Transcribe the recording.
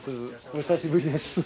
お久しぶりです。